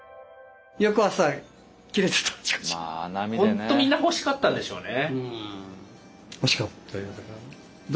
ホントみんな欲しかったんでしょうね。